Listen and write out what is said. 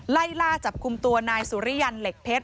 ไล่ล่าจับกลุ่มตัวนายสุริยันเหล็กเพชร